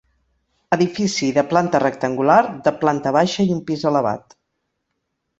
Edifici de planta rectangular, de planta baixa i un pis elevat.